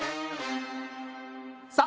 さあ！